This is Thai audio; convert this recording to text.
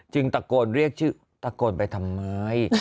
ตะโกนเรียกชื่อตะโกนไปทำไม